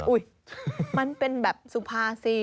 อุ้ยมันเป็นแบบซูปี่